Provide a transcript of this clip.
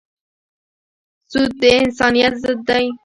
سود د انسانیت ضد دی.